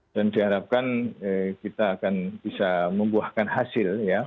dan diharapkan kita akan bisa membuahkan hasil